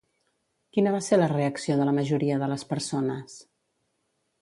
Quina va ser la reacció de la majoria de les persones?